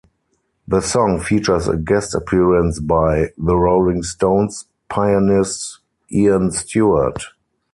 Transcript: The song features a guest appearance by The Rolling Stones pianist Ian Stewart.